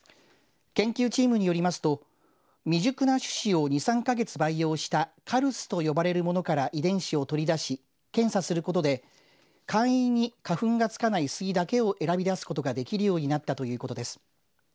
研究チームによりますと未熟な種子を２、３か月培養したカルスと呼ばれるものから遺伝子を取り出し検査することで簡易に花粉をつかないスギだけを選び出すことができるようになったということです。